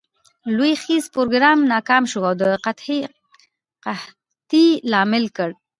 لوی خیز پروګرام ناکام شو او د قحطي لامل ګړ.